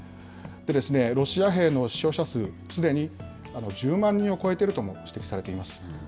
ロシア兵の死傷者数、すでに１０万人を超えているとも指摘されています。